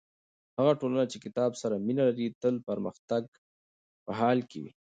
هغه ټولنه چې کتاب سره مینه لري تل د پرمختګ په حال کې وي.